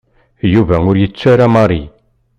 Yuba ur yettu ara Mary.